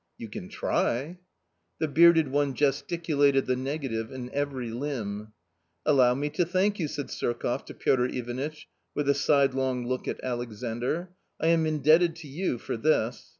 " You can try." The bearded one gesticulated the negative in every limb. " Allow me to thank you !" said Surkoff to Piotr Ivanitch, with a sidelong look at Alexandr ; u I am indebted to you for this."